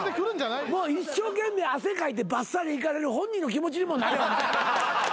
一生懸命汗かいてバッサリいかれる本人の気持ちにもなれ。